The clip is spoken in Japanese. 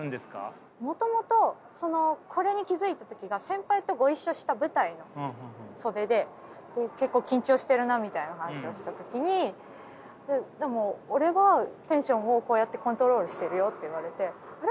もともとそのこれに気付いた時が先輩とご一緒した舞台の袖で結構緊張してるなみたいな話をした時にでも俺はテンションをこうやってコントロールしてるよって言われてあれ？